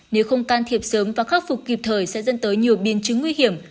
nếu không can thiệp sớm và khắc phục kịp thời sẽ dân tới nhiều biến chứng nguy hiểm